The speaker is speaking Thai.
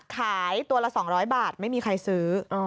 ขายตัวละ๒๐๐บาทไม่มีใครซื้อ